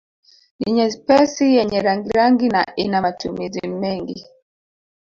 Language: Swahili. Ni nyepesi yenye rangirangi na ina matumizi mengi